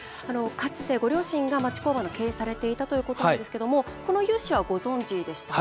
かつて、ご両親が町工場の経営をされていたということなんですけどもこの融資は、ご存じでした？